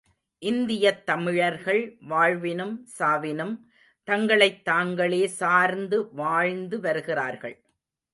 இந்தியத் தமிழர்கள் வாழ்வினும் சாவினும் தங்களைத் தாங்களே சார்ந்து வாழ்ந்து வருகிறார்கள்.